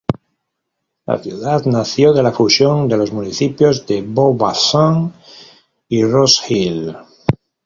La ciudad nació de la fusión de los municipios de Beau-Bassin y Rose-Hill.